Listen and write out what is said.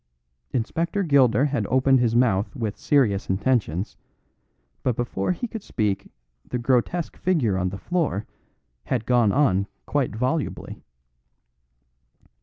Inspector Gilder had opened his mouth with serious intentions, but before he could speak the grotesque figure on the floor had gone on quite volubly.